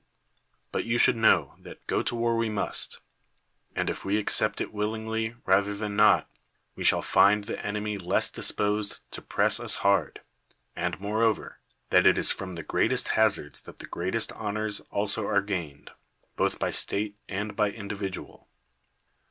But you should know that go to war we must ; and if we accept it willingly rather than not, we shall find the enemy less disposed to press us hard ; and, moreover, that it is from the great est hazards that the greatest honors also are gained, both by state and by individual.